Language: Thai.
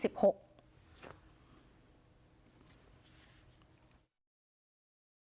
เงินจะเข้าเวรนี่ค่ะ